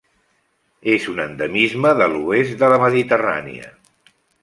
És un endemisme de l'oest de la Mediterrània.